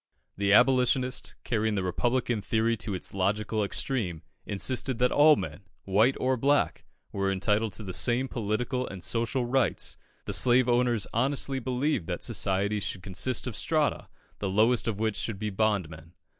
The Abolitionist, carrying the Republican theory to its logical extreme, insisted that all men, white or black, were entitled to the same political and social rights; the slave owners honestly believed that society should consist of strata, the lowest of which should be bondmen.